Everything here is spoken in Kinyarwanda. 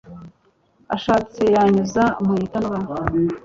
ashatse yanyuza mu itanura